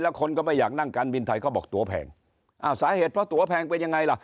แล้วคนก็ไม่อยากนั่งการบินไทยก็บอกตัวแพงอ้าวสาเหตุเพราะตัวแพงเป็นยังไงล่ะ